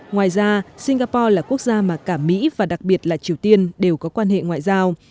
ngoài ra singapore là quốc gia mà cả mỹ và đặc biệt là triều tiên đều có quan hệ ngoại giao